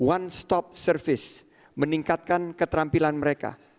one stop service meningkatkan keterampilan mereka